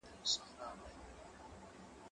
هغه څوک چي ونه ساتي ګټه کوي!؟